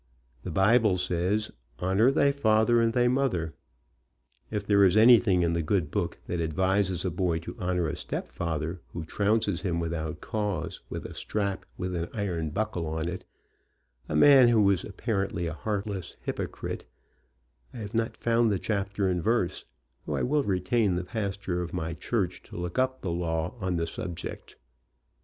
The Bible says: "Honor thy father and thy mother." If there is anything in the Good Book that advises a boy to honor a stepfather who trounces him without cause, with a strap with an RED HEADED BOY ANGEL 51 iron buckle on it, a man who is apparently a heartless hypocrite, I have not found the chapter and verse, though I will retain the pastor of my church to look up the law on the subject.